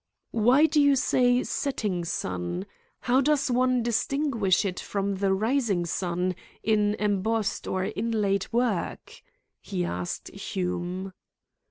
"Why do you say 'setting sun'? How does one distinguish it from the rising sun in embossed or inlaid work?" he asked Hume.